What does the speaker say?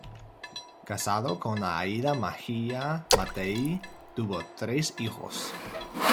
Casado con Aida Mejia Mattei, tuvo tres hijos.